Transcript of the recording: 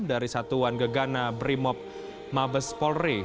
dari satuan gegana brimob mabes polri